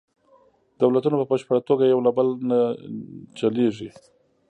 دولتونه په بشپړه توګه یو له بل نه جلیږي